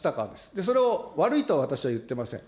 それを悪いとは私は言ってません。